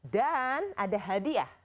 dan ada hadiah